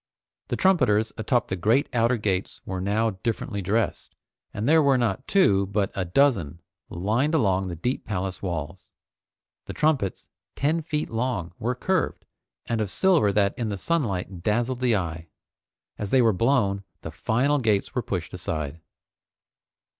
The trumpeters atop the great outer gates were now differently dressed, and there were not two but a dozen lined along the deep palace walls. The trumpets, ten feet long, were curved, and of silver that in the sunlight dazzled the eye. As they were blown, the final gates were pushed aside.